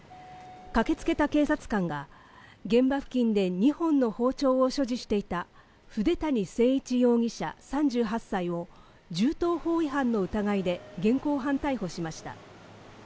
駆けつけた警察官が現場付近で２本の包丁を所持していた筆谷征一容疑者、３８歳を銃刀法違反の疑いで現行犯逮捕しました。